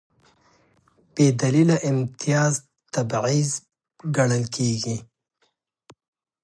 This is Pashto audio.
بېدلیله امتیاز تبعیض ګڼل کېږي.